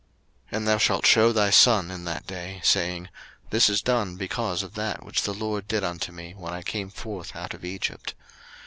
02:013:008 And thou shalt shew thy son in that day, saying, This is done because of that which the LORD did unto me when I came forth out of Egypt.